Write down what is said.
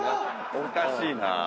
おかしいな。